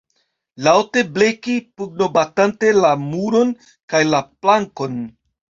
Laŭte bleki pugnobatante la muron kaj la plankon.